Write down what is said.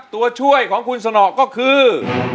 ตัวช่วยของคุณสนอก็คือ